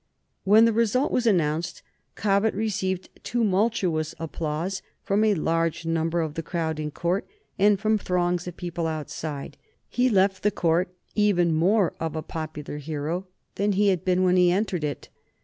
When the result was announced Cobbett received tumultuous applause from a large number of the crowd in court and from throngs of people outside. He left the court even more of a popular hero than he had been when he entered it.